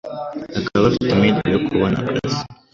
bakaba bafite amahirwe yo kubona akazi